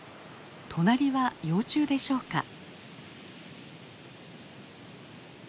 隣は幼虫でしょうか？